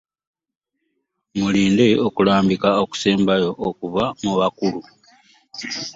Mulinde okulambika okusembayo okuva mu bakulu.